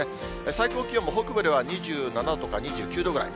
最高気温も北部では２７度か２９度ぐらい。